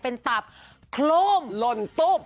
เป็นตับลนตุบ